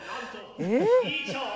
えっ？